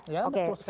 ya betul sekali